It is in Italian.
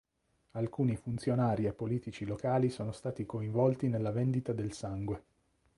Alcuni funzionari e politici locali sono stati coinvolti nella vendita del sangue.